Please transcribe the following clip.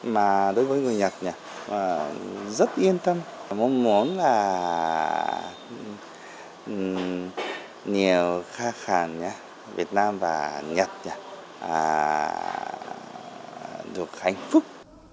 mà đối với người nhật rất yên tâm mong muốn là nhiều khác hẳn việt nam và nhật được hạnh phúc